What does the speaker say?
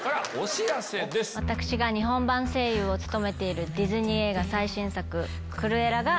私が日本版声優を務めているディズニー映画最新作。